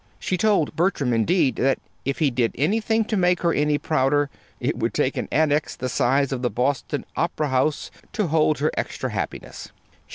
She told Bertram, indeed, that if he did anything to make her any prouder, it would take an Annex the size of the Boston Opera House to hold her extra happiness.